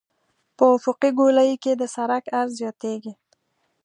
په افقي ګولایي کې د سرک عرض زیاتیږي